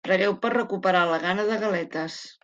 Pregueu per recuperar la gana de galetes.